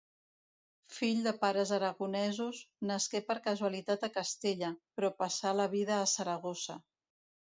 Fill de pares aragonesos, nasqué per casualitat a Castella, però passà la vida a Saragossa.